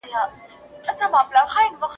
په اسلام کي د فردي ملکیت درناوی کیږي.